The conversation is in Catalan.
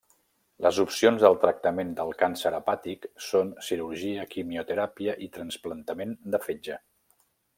Les opcions del tractament del càncer hepàtic són cirurgia, quimioteràpia i trasplantament de fetge.